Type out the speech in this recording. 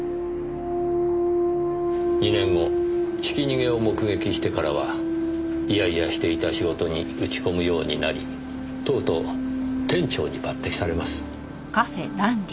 ２年後ひき逃げを目撃してからは嫌々していた仕事に打ち込むようになりとうとう店長に抜擢されます。